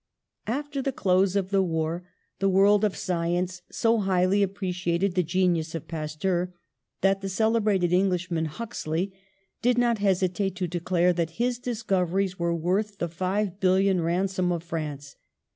After the close of the war the world of sci ence so highly appreciated the genius of Pas teur that the celebrated Englishman, Huxley, did not hesitate to declare that his discoveries were worth the five billion ransom of France.